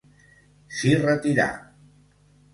S'hi retirà.